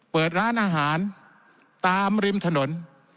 เปิดร้านอาหารตามริมถนน